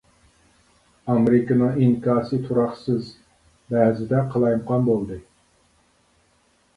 ئامېرىكىنىڭ ئىنكاسى تۇراقسىز ، بەزىدە قالايمىقان بولدى .